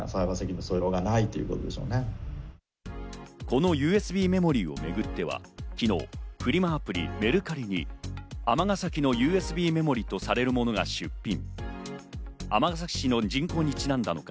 このＵＳＢメモリーをめぐっては昨日、フリマアプリ、メルカリに尼崎のＵＳＢメモリとされるものが出品。